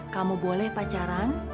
kamu boleh pacaran